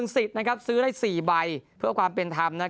สิทธิ์ซื้อได้๔ใบเพื่อความเป็นธรรม